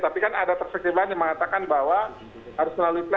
tapi kan ada perspektif lain yang mengatakan bahwa harus melalui platform